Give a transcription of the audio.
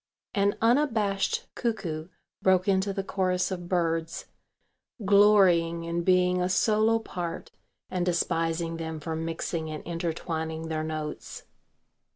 An unabashed cuckoo broke into the chorus of birds, glorying in being a solo part and despising them for mixing and intertwining their notes.